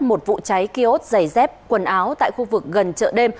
một vụ cháy kiosk giày dép quần áo tại khu vực gần chợ đêm